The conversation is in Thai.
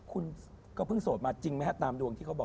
คุณก็เพิ่งโสดมาจริงไหมฮะตามดวงที่เขาบอก